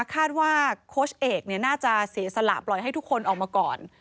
คาดว่าโค้ชเอกน่าจะเสียสละปล่อยให้ทุกคนออกมาก่อน